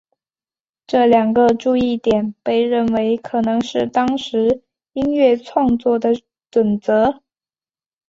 这两个注意点被认为可能是当时音乐创作的准则。